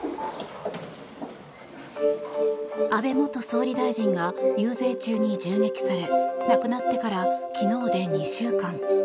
安倍元総理大臣が遊説中に銃撃され亡くなってから昨日で２週間。